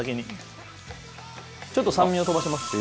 ちょっと酸味を飛ばします。